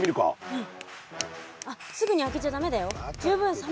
うん。